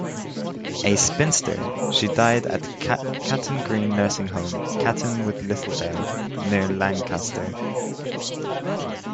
A spinster, she died at Caton Green Nursing Home, Caton-with-Littledale, near Lancaster.